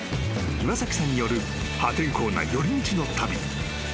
［岩崎さんによる破天荒な寄り道の旅］